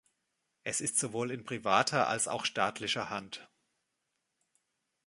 Es ist sowohl in privater als auch staatlicher Hand.